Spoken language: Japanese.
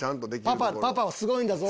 パパはすごいんだぞ！